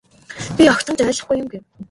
Би огтхон ч ойлгохгүй юм гэв.